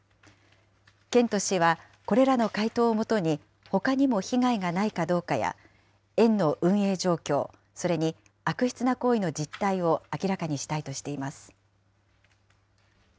県と市は、これらの回答をもとに、ほかにも被害がないかどうかや、園の運営状況、それに悪質な行為の実態を明らかにしたいとしています。